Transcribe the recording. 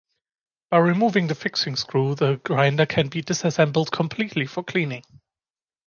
By removing the fixing screw the grinder can be disassembled completely for cleaning.